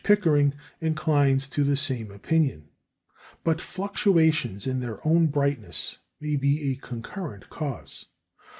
Pickering inclines to the same opinion; but fluctuations in their own brightness may be a concurrent cause.